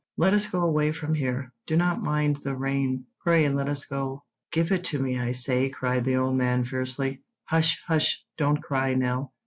"Let us go away from here. Do not mind the rain. Pray let us go." "Give it to me, I say," cried the old man fiercely. "Hush, hush! don't cry, Nell.